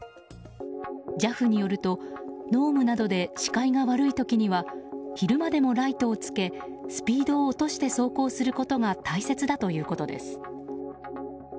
ＪＡＦによると濃霧などで視界が悪い時には昼間でもライトをつけスピードを落として走行することが大切だということです。